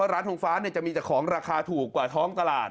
ทงฟ้าจะมีแต่ของราคาถูกกว่าท้องตลาด